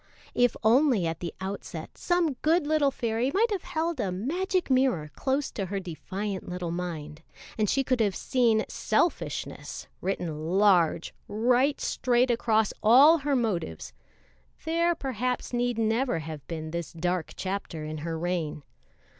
If only at the outset some good little fairy might have held a magic mirror close to her defiant little mind, and she could have seen "selfishness" written large, right straight across all her motives, there perhaps need never have been this dark chapter in her reign.